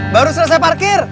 baru selesai parkir